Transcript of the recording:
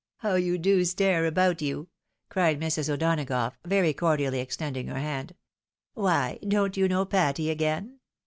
How you do stare about you !" cried Mrs. O'Donagough, very uordially extending her hand. " Why, don't you know Patty again